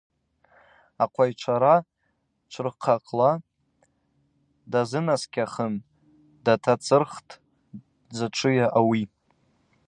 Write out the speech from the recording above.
Аквайчӏвара чӏвырхъакӏла дазынаскӏьахын датацӏырхтӏ: Дзачӏвыйа ауи?